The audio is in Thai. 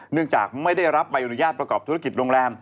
เนื่องจากไม่ได้รับใบอนุญาตประกอบธุรกิจโรงแรม